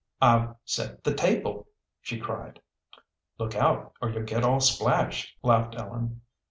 "I've set the table!" she cried. "Look out or you'll get all splashed," laughed Ellen.